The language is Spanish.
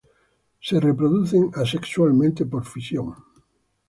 Se reproducen asexualmente por fisión.